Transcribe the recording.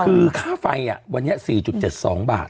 คือค่าไฟวันนี้๔๗๒บาท